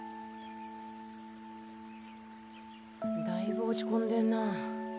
だいぶ落ち込んでるなぁ。